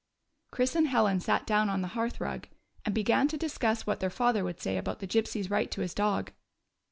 Chris and Helen sat down on the hearth rug, and began to discuss wliat their father would say about the Gypsy's right to his dog.